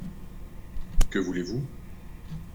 Que voulez-vous ?